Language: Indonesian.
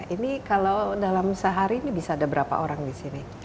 ini kalau dalam sehari ini bisa ada berapa orang di sini